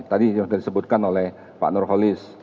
tadi sudah disebutkan oleh pak nur holis